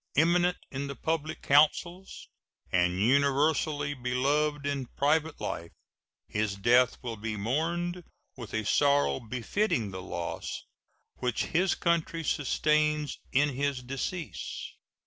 Eminent in the public councils and universally beloved in private life, his death will be mourned with a sorrow befitting the loss which his country sustains in his decease.